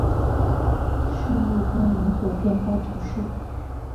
圣莫冈人口变化图示